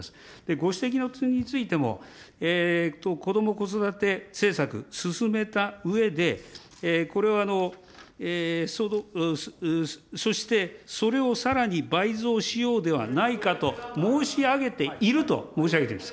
ご指摘の質問についても、こども・子育て政策進めたうえで、これ、そして、それをさらに倍増しようではないかと申し上げていると申し上げているんです。